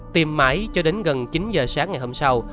tìm mãi cho đến gần chín giờ sáng ngày hôm sau